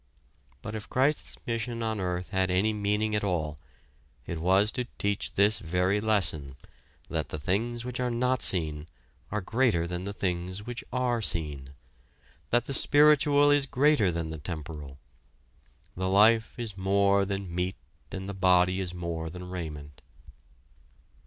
But if Christ's mission on earth had any meaning at all, it was to teach this very lesson that the things which are not seen are greater than the things which are seen that the spiritual is greater than the temporal. The life is more than meat and the body is more than raiment.